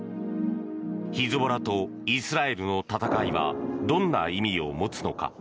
ヒズボラとイスラエルの戦いはどんな意味を持つのか？